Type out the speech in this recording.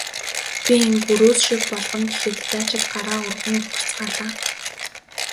Би энэ гөрөөс шиг болгоно гэхэд дайчид гараа өргөн ухарцгаалаа.